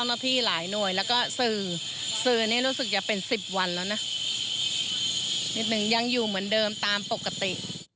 นิดนึงยังอยู่เหมือนเดิมตามปกติ